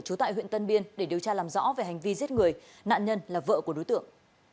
trú tại huyện tân biên để điều tra làm rõ về hành vi giết người nạn nhân là vợ của đối tượng